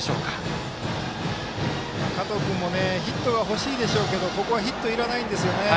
加藤君もヒットが欲しいでしょうけどここはヒットいらないんですよね。